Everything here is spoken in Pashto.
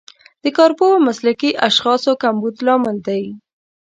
د کارپوه او مسلکي اشخاصو کمبود لامل دی.